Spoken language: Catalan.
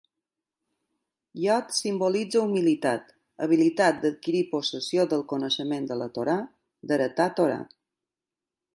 Iod simbolitza humilitat, habilitat d'adquirir possessió del coneixement de la Torà, d'heretar Torà.